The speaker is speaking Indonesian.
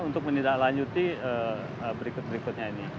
untuk menindaklanjuti berikut berikutnya ini